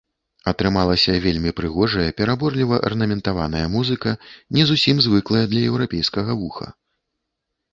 Атрымалася вельмі прыгожая, пераборліва арнаментаваная музыка, не зусім звыклая для еўрапейскага вуха.